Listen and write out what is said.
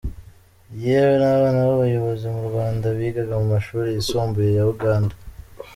Yewe n’abana b’abayobozi mu rwanda bigaga mu mashuri yisumbuye ya Uganda.